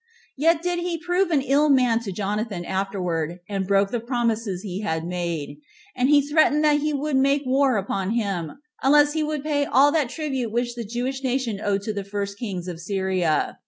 Yet did he prove an ill man to Jonathan afterward, and broke the promises he had made; and he threatened that he would make war upon him, unless he would pay all that tribute which the Jewish nation owed to the first kings [of Syria].